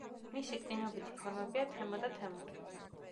მისი კნინობითი ფორმებია თემო და თემური.